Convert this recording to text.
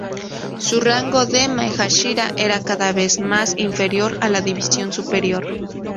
Su rango de "maegashira" era cada vez más inferior en la división superior.